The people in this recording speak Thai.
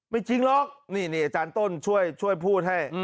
จริงหรอกนี่อาจารย์ต้นช่วยพูดให้